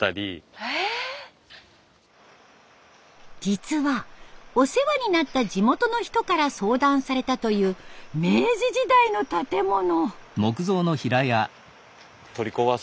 実はお世話になった地元の人から相談されたという明治時代の建物。